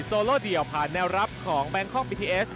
โลเดี่ยวผ่านแนวรับของแบงคอกบีทีเอส